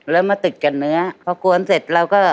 แล้วมาติดกับเนื้อพอกวนเสร็จเราก็